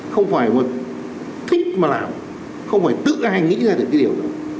không phải một thích mà làm không phải tự ai nghĩ ra được cái điều đó